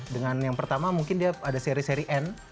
dengan yang pertama mungkin dia ada seri seri n